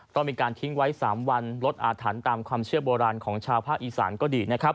ต้องมีการทิ้งไว้๓วันลดอาถรรพ์ตามความเชื่อโบราณของชาวภาคอีสานก็ดีนะครับ